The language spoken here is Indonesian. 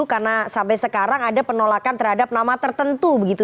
karena sampai sekarang ada penolakan terhadap nama tertentu begitu